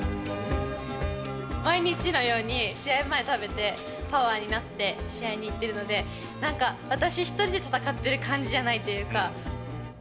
毎日のように、試合前食べて、パワーになって、試合に行ってるので、なんか、私一人で戦ってる感じじゃないというか。